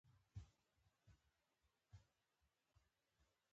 دوه کسان د غنمو په ځمکه جنګېږي.